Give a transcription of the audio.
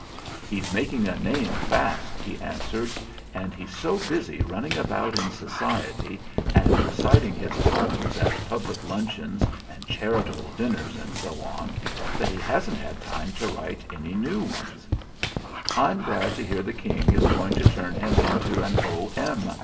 "He's making a name fast," he answered, "and he's so busy running about in society and reciting his poems at public luncheons and charitable dinners, and so on, that he hasn't time to write any new ones." "I'm glad to hear the King is going to turn him into an O.M.